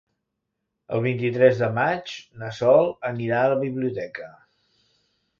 El vint-i-tres de maig na Sol anirà a la biblioteca.